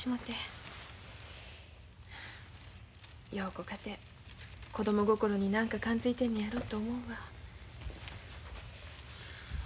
陽子かて子供心に何か感づいてるのやろと思うわ。